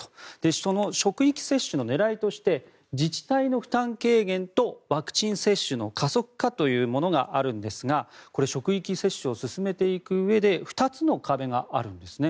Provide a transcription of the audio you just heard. その職域接種の狙いとして自治体の負担軽減とワクチン接種の加速化というものがあるんですがこれ、職域接種を進めていくうえで２つの壁があるんですね。